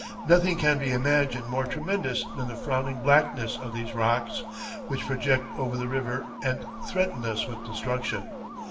Nothing can be imagined more tremendous than the frowning blackness of these rocks, which project over the river and threaten us with destruction....